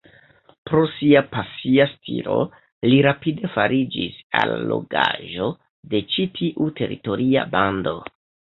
Pro sia pasia stilo li rapide fariĝis allogaĵo de ĉi tiu teritoria bando.